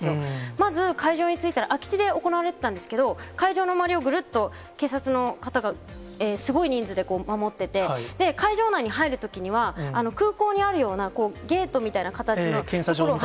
まず、会場に着いたら、空き地で行われてたんですけど、会場の周りをぐるっと警察の方が、すごい人数で守ってて、会場内に入るときには、空港にあるような、検査場みたいなものが？